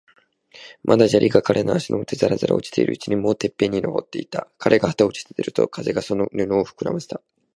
まだ砂利が彼の足もとにざらざら落ちているうちに、もうてっぺんに登っていた。彼が旗を打ち立てると、風がその布をふくらませた。